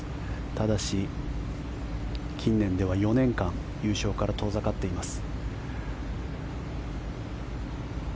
ただし、近年では４年間優勝から遠ざかっています。